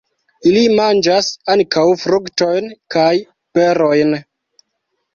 Ili manĝas ankaŭ fruktojn kaj berojn.